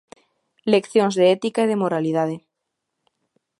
Leccións de ética e de moralidade.